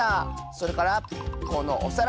それからこのおさら！